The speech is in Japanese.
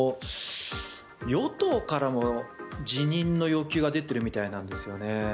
与党からも辞任の要求が出ているみたいなんですよね。